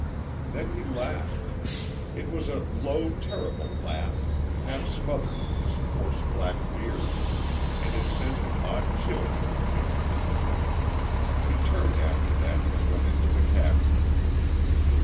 Then he laughed. It was a low, terrible laugh, half smothered in his coarse black beard, and it sent an odd chill through Miki. He turned after that and went into the cabin.